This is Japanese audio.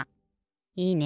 いいね！